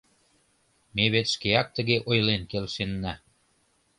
Ме вет шкеак тыге ойлен келшенна.